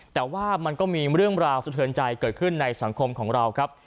แต่ว่ามันก็มีเรื่องราวสะเทินใจเกิดขึ้นในสังคมของเราครับ